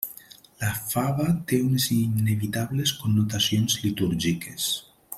La fava té unes inevitables connotacions litúrgiques.